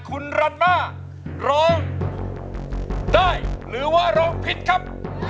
คุณรันม่าร้องได้หรือว่าร้องผิดครับ